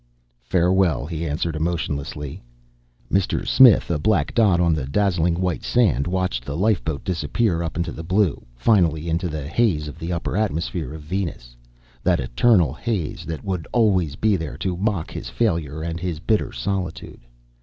"Farewell," he answered emotionlessly. Mr. Smith, a black dot on the dazzling white sand, watched the lifeboat disappear up into the blue, finally into the haze of the upper atmosphere of Venus. That eternal haze that would always be there to mock his failure and his bitter solitude.